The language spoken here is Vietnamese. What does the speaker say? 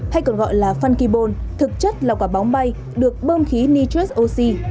hay còn gọi là funky ball thực chất là quả bóng bay được bơm khí nitrous oxy